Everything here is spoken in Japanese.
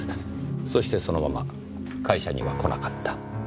そしてそのまま会社には来なかった。